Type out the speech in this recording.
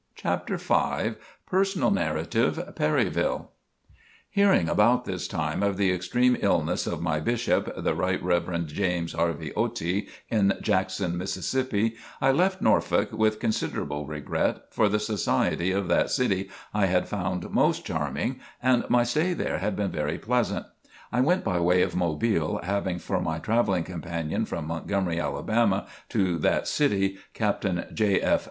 CHAPTER V PERSONAL NARRATIVE PERRYVILLE Hearing about this time of the extreme illness of my Bishop, the Right Reverend James Hervey Otey, in Jackson, Mississippi, I left Norfolk, with considerable regret, for the society of that city I had found most charming, and my stay there had been very pleasant. I went by way of Mobile, having for my travelling companion from Montgomery, Alabama, to that city, Captain J. F.